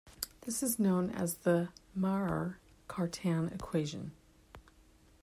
This is known as the Maurer-Cartan equation.